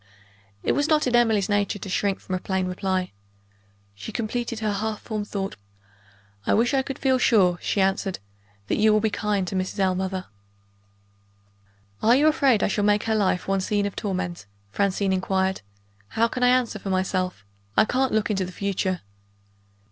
It was not in Emily's nature to shrink from a plain reply. She completed her half formed thought without a moment's hesitation. "I wish I could feel sure," she answered, "that you will be kind to Mrs. Ellmother." "Are you afraid I shall make her life one scene of torment?" Francine inquired. "How can I answer for myself? I can't look into the future."